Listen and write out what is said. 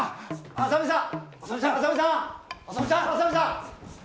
浅見さん。